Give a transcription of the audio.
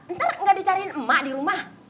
ntar nggak dicariin emak di rumah